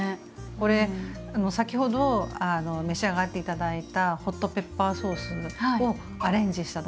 これ先ほど召し上がって頂いたホットペッパーソースをアレンジしただけなんです。